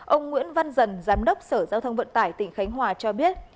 ông nguyễn văn dần giám đốc sở giao thông vận tải tỉnh khánh hòa cho biết